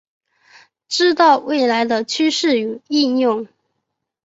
知道未来的趋势与应用